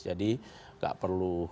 jadi tidak perlu